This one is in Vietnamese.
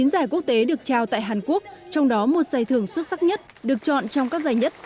chín giải quốc tế được trao tại hàn quốc trong đó một giải thưởng xuất sắc nhất được chọn trong các giải nhất